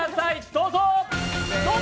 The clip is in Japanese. どうぞ！